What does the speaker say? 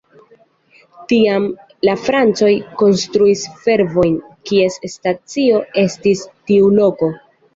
Tiam la francoj konstruis fervojon, kies stacio estis tiu loko.